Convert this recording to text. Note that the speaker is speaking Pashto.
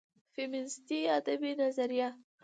فيمينستى ادبى نظريه